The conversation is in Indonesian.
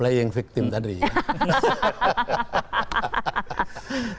saya tidak ingin ikut ikutan dalam dua playing game